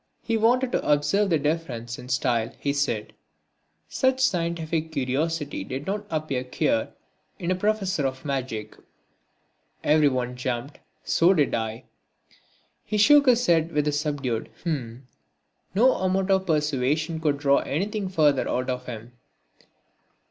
He wanted to observe the differences in style, he said. Such scientific curiosity did not appear queer in a professor of magic. Everyone jumped, so did I. He shook his head with a subdued "h'm." No amount of persuasion could draw anything further out of him.